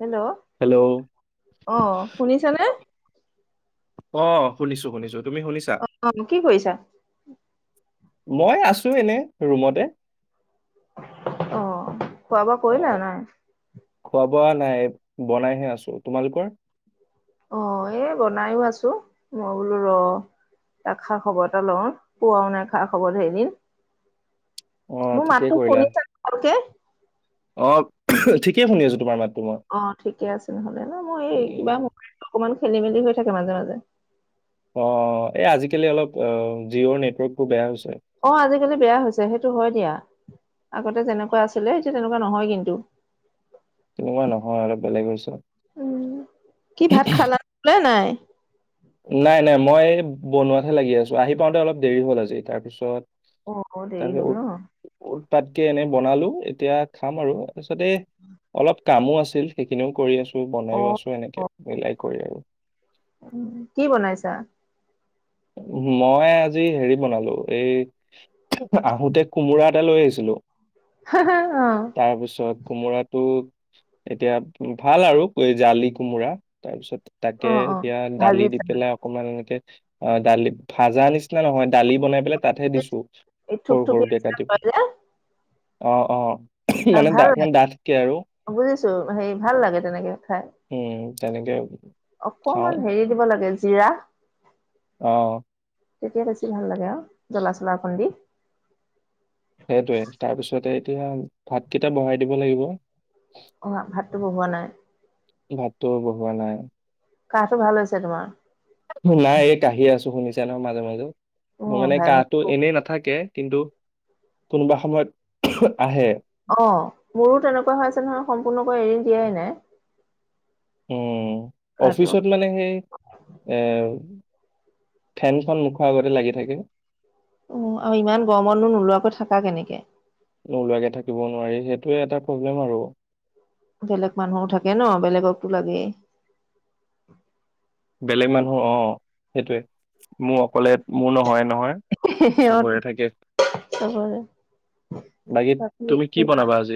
Hello! Hello আহ শুনিছে নে? অ'! শুনিছোঁ, শুনিছোঁ। অ'! কি কৰিছা? মই আছোঁ এনে ৰুমতে। অ'! খোৱা বোৱা অ কৰিলা নাই? খোৱা বোৱা নাই। বনাইহে আছোঁ। তোমালোকৰ? অ'! এই বনাইও আছোঁ। মই বোলো ৰ' এটা খা- খবৰ এটা লওঁ পোৱাও নাই খা -খবৰ ধেইদিন। অ মোৰ ঠিকেই মাতটো কৰিলা শুনিছানে ভালকে? অ', ঠিকে শুনি আছো তোমাৰ মাত। অ', ঠিকে আছে নহ'লে ন, মই এই কিবা উম, মবাইলটো অকমান খেলি-মেলি হৈ থাকে মাজে মাজে। অ', এই আজিকালি অলপ অ', জিঅ'ৰ নেটৱৰ্কটো বেয়া হৈছে। অ আজিকালি বেয়া হৈছে সেইটো হয় দিয়া। আগতে যেনেকুৱা আছিলে এতিয়া তেনেকুৱা নহয় কিন্তু। তেনেকুৱা নহয় অলপ বেলেগ হৈছে। উম কি ভাত খালা নে নাই নাই নাই, মই বনোৱাতহে লাগি আছো। আহি পাওঁতে অলপ দেৰি হ'ল আজি, তাৰপিছত অ', অ', দেৰি হ'ল ন? তাতকে এনে বনালো, এতিয়া খাম আৰু। পাছত এ অলপ কামো আছিল, সেইখিনিও কৰি আছো। অ বনাইওঁ আছো অ এনেকে, মিলাই কৰি আৰু। কি বনাইছা? মই আজি হেৰি বনালো, এই, আহোতে কোমোৰা এটা লৈ আহিছিলো। অ তাৰপিছত কোমোৰাটো এতিয়া, ভাল আৰু এই জালি কোমোৰা, তাৰ পিছত তাকে, অ অ এতিয়া দালি ভাজি দি পেলাই অকমান এনেকে অ', দালি, ভাজাৰ নিচনা নহয়, দালি বনাই পেলে তাতহে দিছো, এই সৰু থুপথুপীয়া সৰুকে নিচিনা কাটি হয় যে অ', অ'। মানে ডা অকন ডাঠকে আৰু। ছো হেৰি ভাল লাগে তেনেকে। খাই উম। তেনেকে খাওঁ অকমান হেৰি দিব লাগে য জিৰা। অহ। তেতিয়া বেছি ভাল লাগে আৰু। জ্বলা চলা অকণ দি। সেইটোৱে তাৰপিছতেই এতিয়া ভাতকেইটা বঢ়াই দিব লাগিব। অ', ভাতটো বহোৱা নাই। ভাতটো বহোৱা নাই। কাঁহটো ভাল হৈছে তোমাৰ? নাই এই কাঁহি আছো, শুনিছ যেনম মাজে মাজে। অ মোৰ মানে ভাই কাঁহটো এনেই নাথাকে। কিন্তু কোনোবা সময়ত আহে। অ', মোৰো তেনেকুৱা হৈ আছে নহয়। সম্পূৰ্ণকৈ এৰি দিয়াই নাই। উম। কাহটো অফিচত মানে সেই এ'। ফেনখন মুখৰ আগতে লাগি থাকে। উম, আৰু ইমান গৰমতনো নোলোৱাকৈ থাকা কেনেকে? নোলোৱাকে থাকিব নোৱাৰি সেইটোৱে এটা প্ৰব্লেম আৰু। বেলেগ মানুহো থাকে ন', বেলেগকটো লাগেই। বেলেগ মানুহ অ' সেইটোয়ে। মোৰ অকলেত মোৰ নহয়ে নহয়। সেই চবৰে থাকে বাকী তুমি কি বনাবা আজি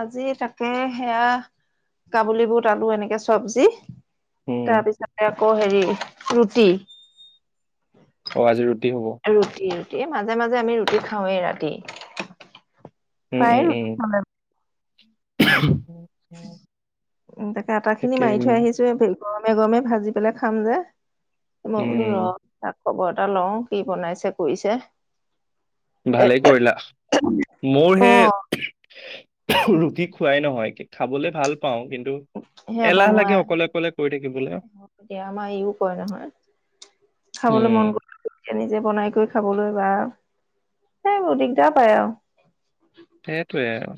আজি তাকে সেয়া কাবুলী বুত আলু এনেকে চব্জি উম তাৰপিছতে অ', হেৰি ৰুটি অ', আজিৰ ৰুটি মাজে মাজে আমি ৰুটি খাওঁৱেই ৰাতি [inaudible] উম উম পায় উম উঠ [inaudible] [unintelligible] উ তাকে আটা খিনি ঠিকে মাৰি থৈ আহিছো গৰমে গৰমে ভাজি পেলাই খাম যে, মই উম কলো ৰ খবৰ এটা লওঁ কি বনাইছে কৰিছে। এ ভালেই কৰিলা মোৰ অ সেই ৰুটি খোৱাই নহয় খাবলৈ ভাল পাওঁ কিন্তু সে এলাহ লাগে বনোৱাই অকলে অকলে কৰি থাকিবলৈ। এতিয়া আমাৰ ইও কয় নহয় খাবলৈ উম, মন কৰ এতিয়া নিজে বনাই কৰি খাবল, বা সেইবোৰ দিগদাৰ পায় আৰু সেইটোৱে আৰু।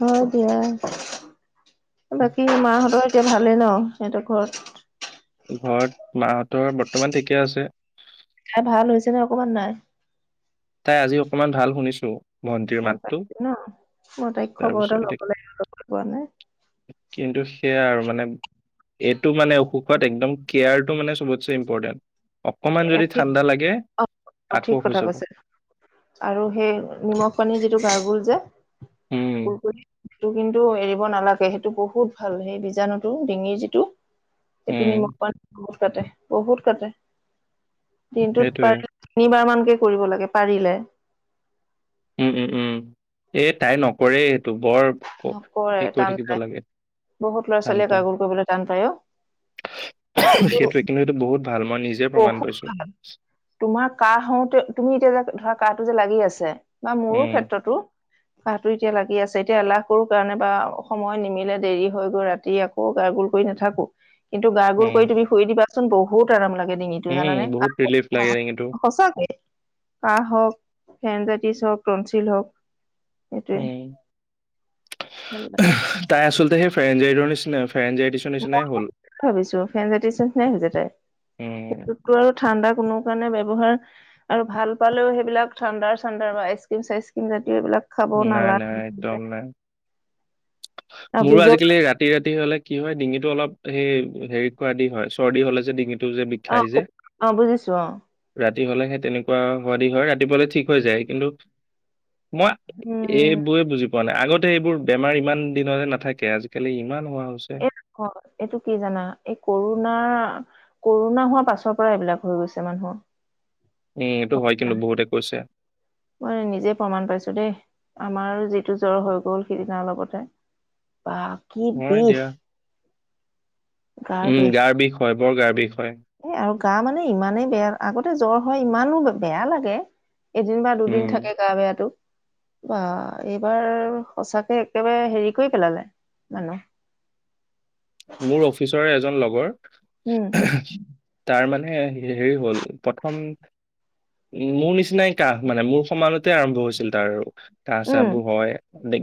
হয় দিয়া। বাকী মাহঁতৰ- এতিয়া ভালেই ন সিহঁতৰ ঘৰত? ঘৰত মাহঁতৰ বৰ্তমান ঠিকে আছে। তাই ভাল হৈছে নে অকমান নাই? তাই আজি অকমান ভাল শুনিছোঁ। ভণ্টিৰ ভাল মাতটো। পাইছে ন মই তাইক খবৰ তাৰপিছত এটা এতিয়া ল'ব লাগিব পোৱা নাই। কিন্তু সেয়া আৰু মানে এইটো মানে অসুখত একদম কেয়াৰটো মানে চবতছে ইম্পৰ্টেণ্ট। অকমান এ যদি ঠিক ঠাণ্ডা লাগে অ', আকৌ ঠিক হৈ কথা যাব। কৈছে আৰু সেই নিমখ পানীৰ যিটো গাৰ্গল যে উম, [unintelligible] সেইটো কিন্তু এৰিব নালাগে সেইটো বহুত ভাল সেই বীজাণুটো ডিঙিৰ যিটো সেইটো উম, নিমখ পোৱা [unintelligible] কাটে, বহুত কাটে। দিনটোত সেইটোৱে। প্ৰায় তিনিবাৰমান ঠিকে কৰিব লাগে, পাৰিলে। উম, উম, উম, এই তাই নকৰে এইটো। নকৰে টান পাই বহুত টান ল'ৰা-ছোৱালীয়ে পাই। গাৰ্গোল কৰিবলৈ টান পাই অ'। কিন্তু সেইটোৱে সেইটো বহুত ভাল মই নিজে প্ৰমাণ বহুত পাইছো। ভাল তোমাৰ কাঁহ হওঁতে তুমি এতিয়া ধৰা কাঁহটো যে লাগি আছে। বা মোৰো উম, ক্ষেত্ৰটো [unintelligible] টো এতিয়া লাগি আছে এতিয়া এলাহ কৰোঁ কাৰণে বা সময় নিমিলে দেৰি হৈ গৈ ৰাতি আকৌ গাৰ্গোল কৰি নাথাকো। কিন্তু গাৰ্গোল উম। কৰি তুমি শুই দিবা চোন বহুত আৰাম লাগে। ডিঙিটো উম, জানানে বহুত ৰিলিফ লাগে কিন্তু। কাঁহ হওঁক, ফেৰেনজাইটিছ হওঁক, টনঞ্চিল হওঁক। মেই উহ, তাই আচলতে ফ্ৰেনজেডৰ নিচিনা ফ মই ভাবিছো ফেৰেনজাইতিচৰ নিচিনাই হৈছে তাইৰ উম, সেইটোতো আৰু ঠাণ্ডা কোনো কাৰণে [unintelligible] আৰু ভাল পালেও সেইবিলাক ঠান্ডাৰ চান্ডাৰ বা আইচক্ৰিম চাইচক্ৰীম তে এইবিলাক খাব নাই নাই একদম নালাগে। নাই। আৰু মোৰো বিজল আজিকালি ৰাতি ৰাতি হ'লে কি হয় ডিঙিটো অলপ সেই হেৰি কৰা দি হয় চৰ্দি হ'লে যে ডিঙিত অহ, কো অ', বুজিছো অ'। ৰাতি হ'লে সেই তেনেকুৱা হোৱাদি হয় ৰাতিপুৱালে ঠিক হৈ যায় কিন্তু মই উম এইবোৰে বুজি পোৱা নাই। আগতে এইবোৰ বেমাৰ ইমান দিনলে নাথাকে আজিকালি ইমান হোৱা হৈছে। এ এইটো কি জানা এই কৰোণাৰ কৰোণা হোৱাৰ পাছৰ পৰা এইবিলাক হৈ গৈছে মানুহৰ। উম সেইটো গম হয় কিন্তু পাইছানে? বহুতে কৈছে। মই নিজে প্ৰমাণ পাইছো দেই আমাৰ যিটো জ্বৰ হৈ গ'ল সিদিনা অলপতে। বা কি হয় বিষ দিয়া গাৰ বিষ। বৰ গাৰ বিষ। হয় এ আৰু গা মানে ইমানে বেয়া আগতে জ্বৰ হয় ইমানো বেয়া লাগে। এদিন বা দুদিন উম। থাকে গা বেয়াটো। বাহ এইবাৰ সঁচাকে একেবাৰে হেৰি কৰি পেলালে মানুহ। মোৰ অফিচৰে এজন লগ ৰ। উম তাৰ মানে মানে হেৰি হ'ল প্ৰথম মোৰ নিচিনাই কাহঁ মানে মোৰ সমানতে আৰম্ভ হৈছিল তাৰো। কাহঁ উম চাবো হয়।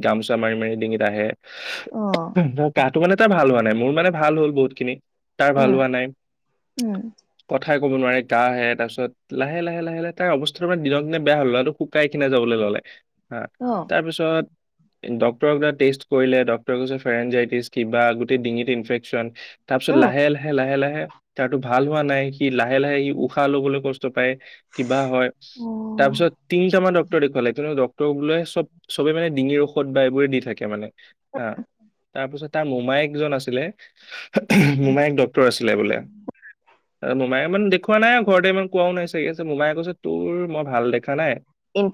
গামোচা মাৰি মাৰি ডিঙিত আহে। অ কাঁহটো মানে তাৰ ভাল হোৱা নাই। মোৰ মানে ভাল হল বহুত খিনি তাৰ ভাল উম হোৱা নাই। উম কথা ঠাই কব নোৱাৰে কাহঁ আহে তাৰপিছত লাহে লাহে লাহে লাহে তাৰ অৱস্থাটো মানে দিনক দিনে বেয়া হল লৰাটো শুকাই সিনাই যাবলে ল'লে। হা অ তাৰপিছত ডক্তৰে বোলে টেষ্ট কৰিলে ডাক্তৰে কৈছে ফেনজাইটিজ কিবা গোটেই ডিঙিত ইনফ্ৰেকচন। তাৰপিছত উম লাহে লাহে লাহে লাহে তাৰতো ভাল হোৱা নাই সি লাহে লাহে সি উশাহ ল'বলৈ কষ্ট পায় কিবা হয়, অ তাৰপিছত তিনটা মান ডক্তৰ দেখুৱালে কিন্তু ডক্তৰ ত বোলে চব চবে মানে ডিঙিৰ ঔষধ বা এইবোৰে দি থাকে মানে। হা তাৰপিছত তাৰ মোমাইক জন আছি ছিলে। মোমাইক ডক্তৰ আছিলে বোলে। মোমাই ইমান দেখুুৱা নাই ঘৰতে ইমান কোৱাও নাই চাগে যে মোমাইকে কৈছে তোৰ মই ভাল দেখা নাই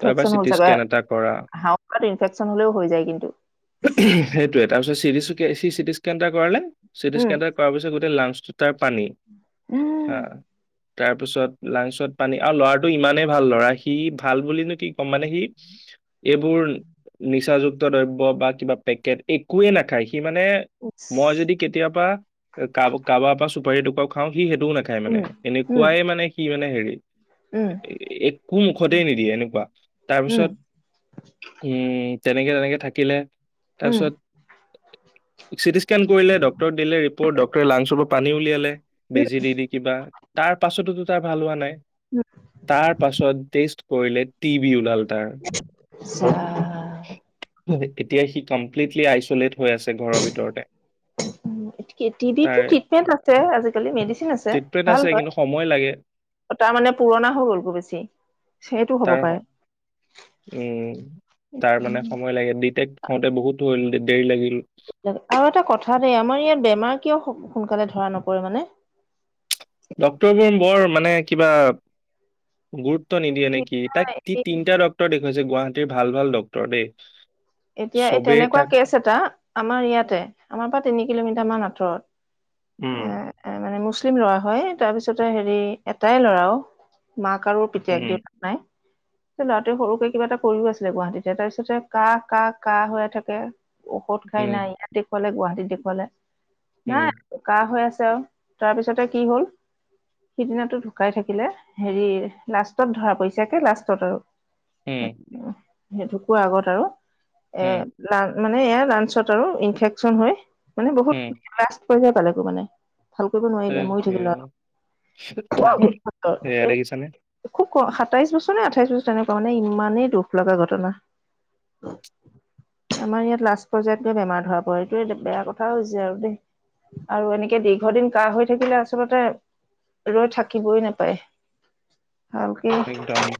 তই এবাৰ হ'ল চিটি চাগৈ ইস্কেন এটা কৰা। হাওফাওত ইনফেকচন হ'লেও হৈ যায় কিন্তু। সেইটোৱেই, তাৰপিছত চিটি ইস্কেন- তাকে সি চিটি ইস্কেন এটা কৰালে চিটি উম, ইস্কেন এটা কৰাৰ পিছত গোট লাংচটো তাৰ পানী উম হা তাৰপিছত লাঞ্চত পানী আৰু ল'ৰাটো ইমানেই ভাল ল'ৰা সি ভাল বুলিনো কি ক'ম মানে সি এইবোৰ নিচাযুক্ত দ্ৰব্য বা কিবা পেকেট একোৱে নাখায় সি সি মানে উম, মই যদি কেতিয়াবা এ কাৰ কাৰোবাৰ পৰা চু চুপাৰি এটুকুৰাও খাওঁ সি সেইটোও নাখায় মানে উম, উম, এনেকুৱাইে মানে সি মানে হেৰি উম, একো মুখতে নিদিয়ে এনেকুৱা, তাৰ উম, পিছত, উম। তেনেকৈ, তেনেকৈ থাকিলে। উম, তাৰপিছত। [unintelligible] অপাৰেচন কৰিলে, ডক্টৰ দিলে। ৰিপৰ্ট ডক্টৰে লাঞ্চক। পানী উলিয়ালে। বেজি দি-দি কিবা তাৰ পাছটো। তাৰ ভাল হোৱা নাই। উম, তাৰ পাছত, টেষ্ট। কৰিলে, টিবি ওলাল তেতিয়াই সি কম্প্লিতলি আইছলেত। হৈ আছে ঘৰৰ ভিতৰতে। টিবিটো তাৰ ট্ৰিটমেন্ট আছে আজিকালি, মেডিচিন আছে ট্ৰিটমেণ্ট ভাল আছে কিন্তু সময় লাগে হয়। তাৰমানে পুৰণা হৈ গল গৈ বেছি, সেইটো হব তাৰ উম পাৰে। তে খাওঁতে, বহুত হ'ল দেৰি লাগিল। আৰু এটা কথা। কথা দেই, আমাৰ ইয়াত বেমাৰ কিয় সোনকালে ধৰা নপৰে মানে। ডক্টৰবোৰৰ বৰ মানে কিবা। গুৰুত্ব নিদিয়ে নেকি। তাক তিনিটা ডক্তৰক দেখুৱাইছে গুৱাহাটীট। ভাল ভাল ডক্তৰ দেই। এতিয়া, এই চবেই তেনেকুৱা তাক কেচ এটা। আমাৰ ইয়াতে, আমাৰ পৰা তিনি কিলোমিটাৰ মান আঁতৰত। এ উম। এ মানে মুছলিম ল'ৰা হয়। তাৰপিছতে হেৰি, এটাই ল'ৰাও। মাক আৰু পিতক, উম দেউতাক নাই। লৰাটোৱে সৰুকে কিবা এটা কৰিও আছিলে গুৱাহাটীতে, তাৰ পিছতে তাক কাহ, কাহ হৈ থাকে। ঔষধ খাই, উম নাই ইয়াত দেখুৱালে। গুৱাহাতীত দেখোৱালে। উম নাই, কা হৈ আছিলে। তাৰপিছতে কি হল, সিদিনাটো ঢুকাই থাকিলে। হেৰি লাষ্টত ধৰা পৰিছে একে লাষ্টত আৰু। উম। সি ঢুকুৱা আগত আৰু এ উম, না মানে ইয়াৰ লাঞ্চত আৰু ইনফেকচন হয়। মানে বহুত পালাগৈ মানে। ভাল কৰিব সে নোৱাৰিলে মৰি থাকিল ল'ৰা সেয়াই, হেৰি সেয়াই ক্ষেত্ৰত এ দেখিছানে। খুব সাতাইশ বছৰ নে আঠাইশ বছৰ তেনেকুৱা মানে ইমানেই দুখ লগা ঘটনা। আমাৰ ইয়াত লাষ্ট পৰ্যায়ত গৈ বেমাৰ ধৰা পৰে এইটোৱে বেয়া কথাও হৈছে আৰু দেই আৰু এনেকে দীৰ্ঘদিন কাহ হৈ থাকিলে আচলতে ৰৈ থাকিবই নাপায়। একদম [unintelligible]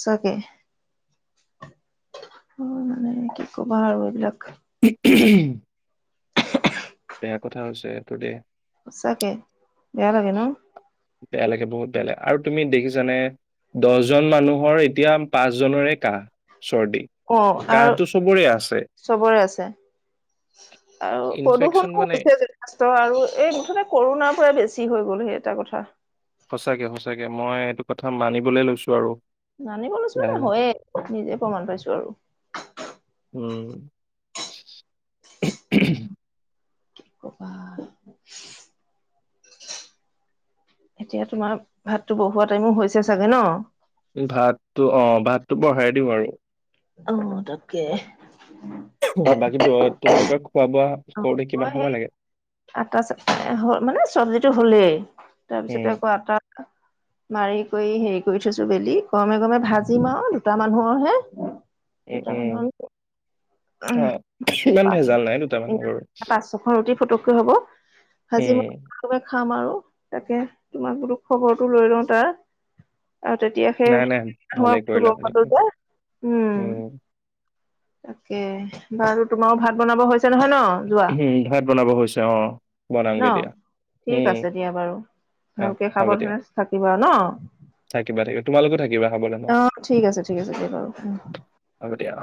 চাগে। কি কবা আৰু এইবিলাক। [unintelligible] [inaudible] বেয়া কথা হৈছে। [unintelligible] সঁচাকৈ বেয়া লাগে ন। বেয়া লাগে বহুত বেয়া লাগে আৰু তুমি দেখিছানে দহজন মানুহৰ এতিয়া পাঁচজনৰে কাহ। চৰ্দি অ' আৰু কাহটো চবৰে আছে চবৰে আছে আৰু ইনফেকচন প্ৰদূষণো মানে হৈছে যথেষ্ট আৰু এই মুঠতে কৰোণাৰ পৰা বেছি হৈ গ গ'ল সেই এটা কথা। সঁচাকে সঁচাকে মই এইটো কথা মানিবলে লৈছো আৰু। মানিব লৈছো মানে লাহে লাহে হয়ে নিজে প্ৰমাণ পাইছো আৰু। [unintelligible] কি কবা। এতিয়া তোমাৰ ভাততো বহোৱা টাইমো হৈছে চাগে ন। এই ভাততো অ। ভাতটো বহাই দিওঁ আৰু। অ' তাকে। অ' বাকী তোমালোকৰ খোৱা বোৱা কৰোতে মই কিমান সময় সেই লাগে? আটা চ, মানে চব্জিটো হলেই উম তাৰপিছতে আকৌ আটা। মাৰি কৰি হেৰি কৰি থৈছো বেলি গৰমে গৰমে ভাজিম আৰু দুটা মানুহৰ হে উম দুটা উম মানুহৰ অ' ইমান ভেজাল নাই দুটা মানুহ বাৰু। তি ফুটক কে হ'ব। ভাজি উম, মই খাম আৰু তাকে তোমাক বোলো খবৰটো লৈ লওঁ তাৰ। আৰু তেতিয়া সে নাই নাই ভালে কৰিলা উম। ভালে কৰিলা। তা। উম, তাকে বাৰু তোমাও ভাত বনাব হৈছ ছে নহয় ন? যোৱা উম, ভাত বনাব হৈছে অ', ন বনামগে দিয়া। ঠিক উম, আছে দিয়া বাৰু অ', ভালকে হ'ব দিয়া। সাৱধানে থাকিবা। ন? থাকিবা, থাকিব তোমালোকো থাকিবা খবলৈ ন? অ ঠিক আছে ঠিক আছে দিয়া বাৰু হ'ব দিয়া।